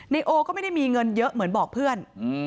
โอก็ไม่ได้มีเงินเยอะเหมือนบอกเพื่อน